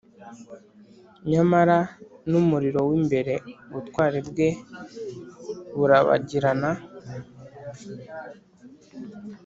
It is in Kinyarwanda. nyamara n'umuriro w'imbere ubutwari bwe burabagirana;